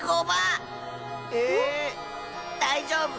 えっ⁉だいじょうぶ。